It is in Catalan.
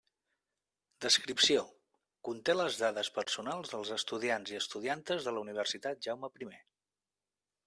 Descripció: conté les dades personals dels estudiants i estudiantes de la Universitat Jaume I.